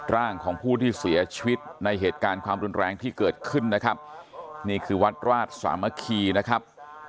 ร่างของผู้ที่เสียชีวิตในเหตุการณ์ความรุนแรงที่เกิดขึ้นนะครับนี่คือวัดราชสามัคคีนะครับ